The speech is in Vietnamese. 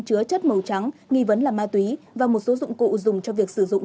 chứa chất màu trắng nghi vấn là ma túy và một số dụng cụ dùng cho việc sử dụng